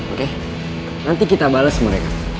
oke nanti kita bales mereka